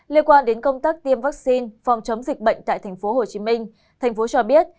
liên quan đến công tác tiêm vaccine phòng chống dịch bệnh tại tp hcm tp hcm cho biết